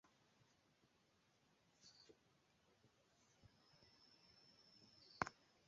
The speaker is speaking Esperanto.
La oficiala lingvo estas la malaja lingvo.